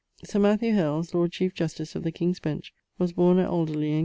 Sir Matthew Hales, Lord Chief Justice of the King's Bench, was borne at Alderley in com.